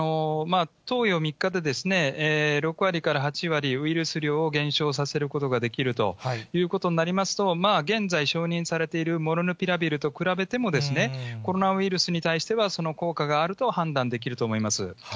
投与３日で６割から８割、ウイルス量を減少させることができるということになりますと、現在、承認されているモルヌピラビルと比べても、コロナウイルスに対しては効果があると判断できると思います。